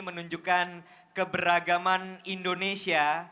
menunjukkan keberagaman indonesia